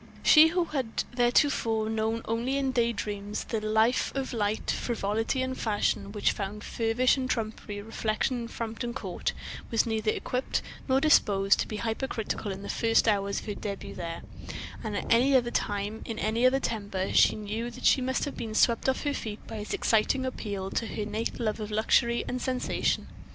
She who had theretofore known only in day dreams the life of light frivolity and fashion which found feverish and trumpery reflection at Frampton Court, was neither equipped nor disposed to be hypercritical in the first hours of her début there; and at any other time, in any other temper, she knew, she must have been swept off her feet by its exciting appeal to her innate love of luxury and sensation.